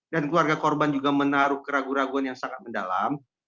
dan keluarga korban juga menaruh keraguan keraguan yang sangat mendalam